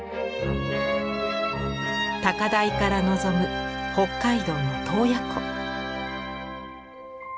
高台からのぞむ北海道の洞爺湖。